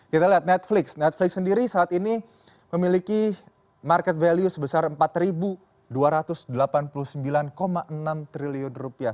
kita lihat netflix netflix sendiri saat ini memiliki market value sebesar empat dua ratus delapan puluh sembilan enam triliun rupiah